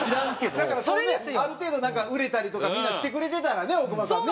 だからそんである程度なんか売れたりとかみんなしてくれてたらね大久保さんね。